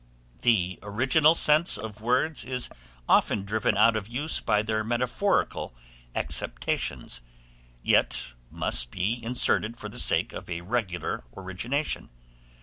The original sense of words is often driven out of use by their metaphorical acceptations, yet must be inserted for the sake of a regular origination.